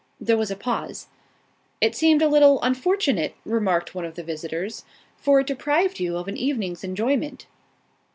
There was a pause. "It seemed a little unfortunate," remarked one of the visitors, "for it deprived you of an evening's enjoyment."